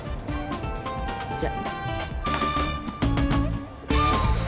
じゃ。